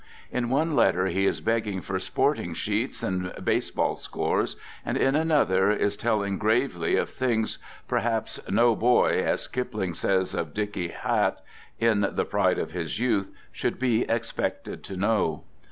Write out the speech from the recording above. In one let ter, he is begging for sporting sheets and baseball scores, and in another is telling gravely of things perhaps no boy, as Kipling says of Dicky Hatt — in "The Pride of His Youth should be expected to know.